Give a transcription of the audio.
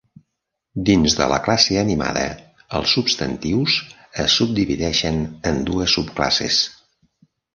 Dins de la classe animada, els substantius es subdivideixen en dues subclasses.